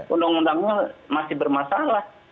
undang undangnya masih bermasalah